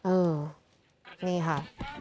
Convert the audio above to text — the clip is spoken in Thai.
เออนี่ค่ะ